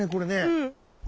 うん。